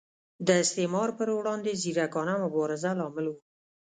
د استعمار پر وړاندې ځیرکانه مبارزه لامل و.